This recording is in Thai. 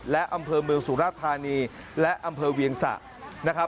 และอำเภอเมืองสุราธารณีและวิองศา